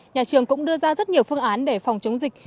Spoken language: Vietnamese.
nhà trường cũng đưa ra rất nhiều phương án để phòng chống dịch